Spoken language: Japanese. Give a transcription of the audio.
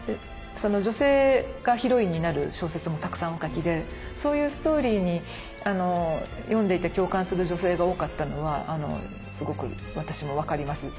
女性がヒロインになる小説もたくさんお書きでそういうストーリーに読んでいて共感する女性が多かったのはすごく私も分かります。